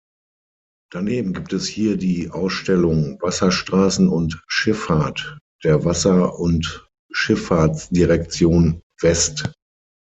Daneben gibt es hier die Ausstellung „Wasserstraßen und Schifffahrt“ der Wasser- und Schifffahrtsdirektion West.